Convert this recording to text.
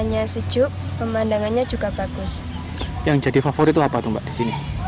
yang jadi favorit itu apa tuh mbak disini